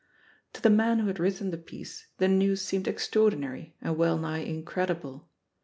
To the man who had written the piece the news seemed extraordinary and weU nigh incredible.